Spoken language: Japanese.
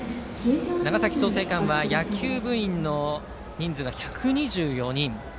長崎・創成館は野球部員の人数が１２４人。